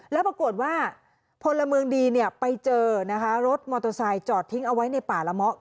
แล้วปรากฏว่าพลเมืองดีไปเจอนะคะรถมอเตอร์ไซค์จอดทิ้งเอาไว้ในป่าละเมาะ